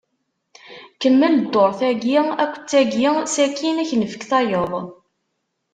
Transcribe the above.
Kemmel dduṛt-agi akked tagi, sakin ad k-nefk tayeḍ.